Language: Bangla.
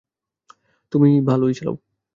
তুমি ভালই চালাও।